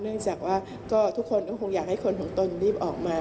เนื่องจากว่าก็ทุกคนก็คงอยากให้คนของตนรีบออกมา